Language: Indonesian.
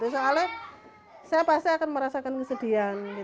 soalnya saya pasti akan merasakan kesedihan